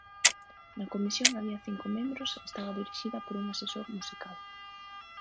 Na comisión había cinco membros e estaba dirixida por un asesor musical.